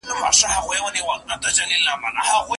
خدای خبر بيا مور ورته زما په سر ويلي څه دي